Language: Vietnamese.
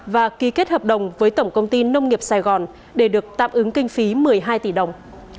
và ký kết hợp đồng với tổng công ty nông nghiệp sài gòn để được tạm ứng kinh phí một mươi hai tỷ đồng